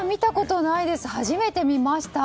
初めて見ました。